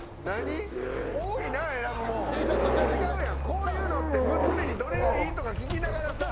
こういうのって娘に「どれがいい？」とか聞きながらさ。